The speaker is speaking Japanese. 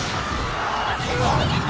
・逃げて！